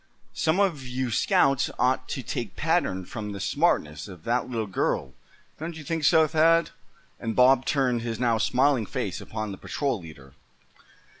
Some of you scouts ought to take pattern from the smartness of that little girl; don't you think so, Thad?" and Bob turned his now smiling face upon the patrol leader.